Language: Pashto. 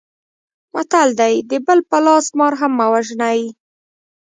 متل دی: د بل په لاس مار هم مه وژنئ.